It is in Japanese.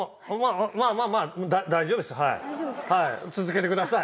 続けてください。